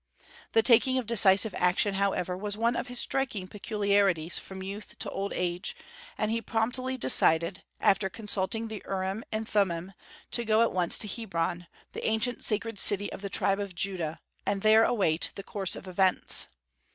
The taking of decisive action, however, was one of his striking peculiarities from youth to old age, and he promptly decided, after consulting the Urim and Thummim, to go at once to Hebron, the ancient sacred city of the tribe of Judah, and there await the course of events.